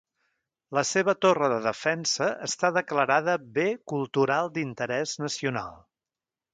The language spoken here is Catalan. La seva torre de defensa està declarada bé cultural d'interès nacional.